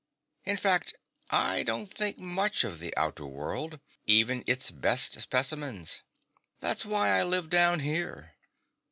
In fact, 1 don't think much of the outer world, even its best specimens. That's why I live down here.